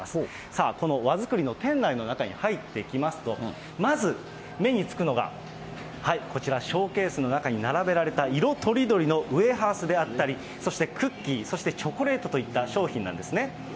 さあ、このわづくりの店内の中に入ってきますと、まず目につくのが、こちら、ショーケースの中に並べられた色とりどりのウエハースであったり、そしてクッキー、そしてチョコレートといった商品なんですね。